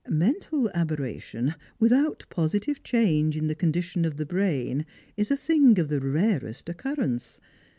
Mental aberration, without positive change in the condition of the brain, is a thing of the rarest occurrence.